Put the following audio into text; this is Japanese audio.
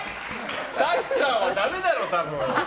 サッカーはだめだろ、多分。